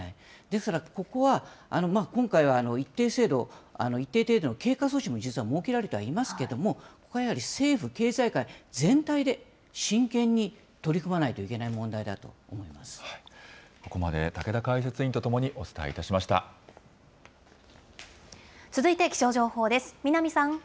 ですから、ここは今回は一定程度の経過措置も設けられてはいますけれども、ここはやはり政府、経済界全体で真剣に取り組まないといけない問ここまで竹田解説委員と共に続いて気象情報です。